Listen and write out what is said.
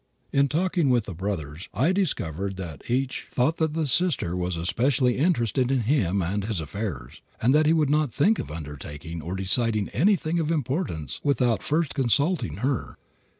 In talking with the brothers I discovered that each thought that the sister was especially interested in him and his affairs, and that he would not think of undertaking or deciding anything of importance without first consulting her.